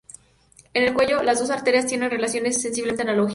En el cuello las dos arterias tienen relaciones sensiblemente análogas.